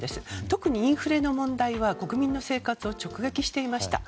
特に、インフレの問題は国民の生活を直撃していました。